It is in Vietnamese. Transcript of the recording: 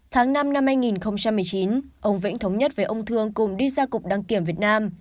tháng năm năm hai nghìn một mươi chín ông vĩnh thống nhất với ông thương cùng đi ra cục đăng kiểm việt nam